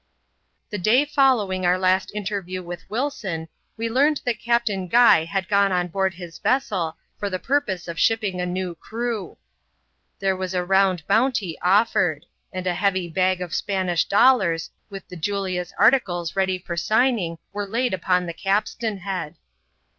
The day following our last interview with Wilson, we learned ihat Captain Guy had gone on board his vessel, for the purpose «f shipping a new crew. There was a round bounty ofiered ; and a heavy bag of Spanish dollars, with the Julia's articles leady for signing, were laid on the capstan head.